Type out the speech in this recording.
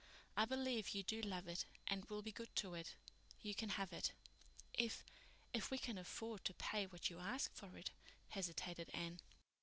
I believe you do love it and will be good to it. You can have it." "If—if we can afford to pay what you ask for it," hesitated Anne.